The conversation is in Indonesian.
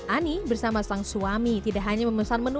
ani bersama sang suami tidak hanya memesan menu